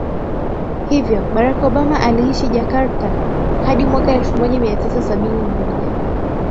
Hivyo Barack Obama aliishi Jakarta hadi mwaka elfu moja mia tisa sabini na moja